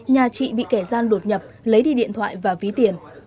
nhà chị bị kẻ gian đột nhập lấy đi điện thoại và ví tiền